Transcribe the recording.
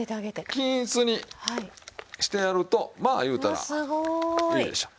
均一にしてやるとまあいうたらいいでしょう。